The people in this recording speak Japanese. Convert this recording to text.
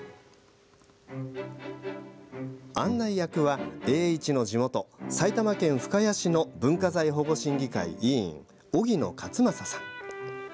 案内役は、栄一の地元埼玉県深谷市の文化財保護審議会委員荻野勝正さん。